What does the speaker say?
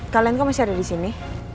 kalian kok masih ada disini